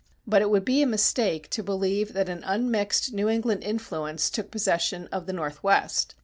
But it would be a mistake to believe that an unmixed New England influence took possession of the Northwest.